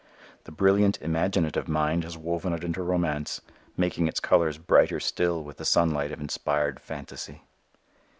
The brilliant imaginative mind has woven it into romance, making its colors brighter still with the sunlight of inspired phantasy.